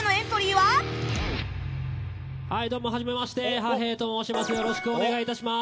はいどうもはじめまして。はへーと申します。